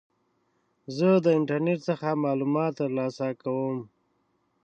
زه د انټرنیټ څخه معلومات ترلاسه کوم.